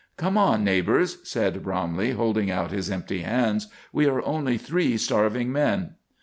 "Come on, neighbors," said Bromley, holding out his empty hands. "We are only three starving men."